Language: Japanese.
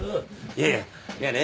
いやいやいやね